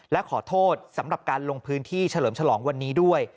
และขอโทษสำหรับการลงพื้นที่เฉลิมฉลองวันนี้ด้วย